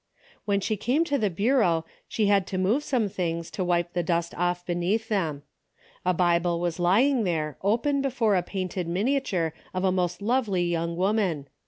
When she came to the bureau she had to move some things to DAILY bate:' 217 wipe the dust off beneath them. A Bible was lying there open before a painted miniature of a most lovely young woman.